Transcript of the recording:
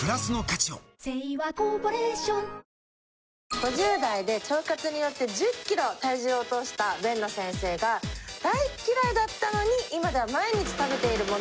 ５０代で腸活によって１０キロ体重を落とした辨野先生が大嫌いだったのに今では毎日食べているもの。